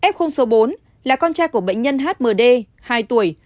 f số bốn là con trai của bệnh nhân hmd hai tuổi